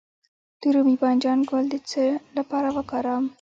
د رومي بانجان ګل د څه لپاره وکاروم؟